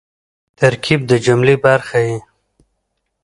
ترکیب د جملې برخه يي.